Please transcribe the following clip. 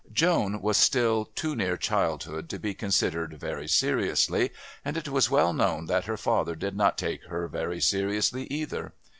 Joan was still too near childhood to be considered very seriously, and it was well known that her father did not take her very seriously either.